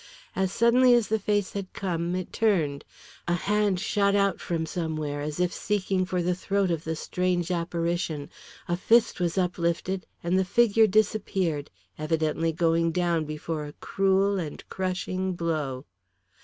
As suddenly as the face had come it turned. A hand shot out from somewhere, as if seeking for the throat of the strange apparition, a fist was uplifted, and the figure disappeared, evidently going down before a cruel and crushing blow.